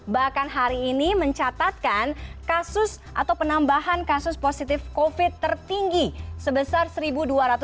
bahkan hari ini mencatatkan kasus atau penambahan kasus positif yang menyebabkan penambahan kasus positif yang menyebabkan penambahan kasus positif